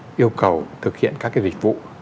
các cá nhân yêu cầu thực hiện các cái dịch vụ